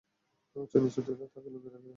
উঁচু-নিচু টিলা তাকে লুকিয়ে রাখে।